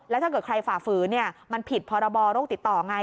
แล้วถ้าเกิดใครฝ่าฝืนมันผิดพรบโรคติดต่อไง